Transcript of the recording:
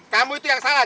kamu itu yang salah